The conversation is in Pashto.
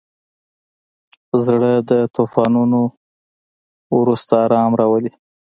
زړه د طوفانونو وروسته ارام راولي.